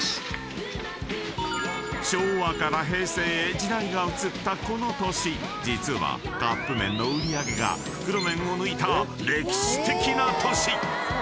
［時代が移ったこの年実はカップ麺の売り上げが袋麺を抜いた歴史的な年］